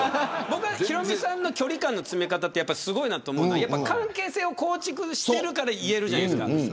僕はヒロミさんの距離感の詰め方すごいなと思うのは関係性を構築しているから言えるじゃないですか。